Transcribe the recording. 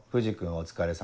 お疲れさま。